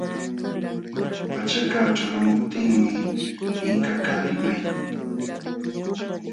Pachaka ćhalqamuptinmi Inkakaq limaykun.